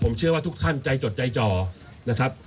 ผมเชื่อว่าทุกท่านใจจดใจจ่อนะครับ